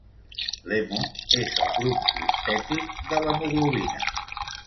L'hemo és el grup prostètic de l'hemoglobina.